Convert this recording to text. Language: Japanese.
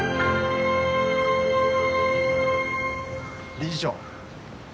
・理事長。